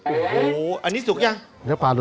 โอ้โหอันนี้สุกยัง